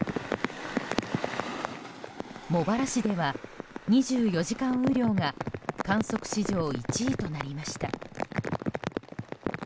茂原市では２４時間雨量が観測史上１位となりました。